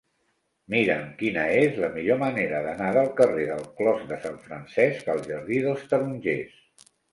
Mira'm quina és la millor manera d'anar del carrer del Clos de Sant Francesc al jardí dels Tarongers.